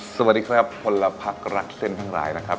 สวัสดีครับคนละพักรักเส้นทั้งหลายนะครับ